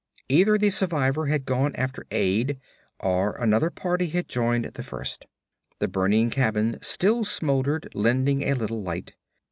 Either the survivor had gone after aid, or another party had joined the first. The burning cabin still smoldered, lending a little light.